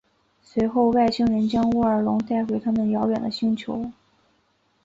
随后外星人将沃尔隆带回他们遥远的星球。